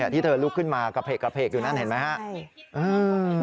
ที่เธอลุกขึ้นมากระเพกอยู่นั่นเห็นไหมครับ